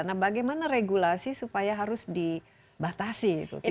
nah bagaimana regulasi supaya harus dibatasi